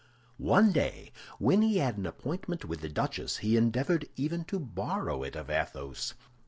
One day, when he had an appointment with a duchess, he endeavored even to borrow it of Athos.